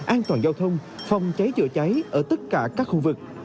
an toàn giao thông phòng cháy chữa cháy ở tất cả các khu vực